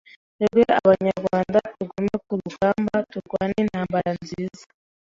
twebwe Abanyarwanda. Tugume ku rugamba, turwane intambara nziza